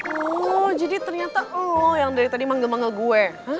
oh jadi ternyata oh yang dari tadi manggel manggil gue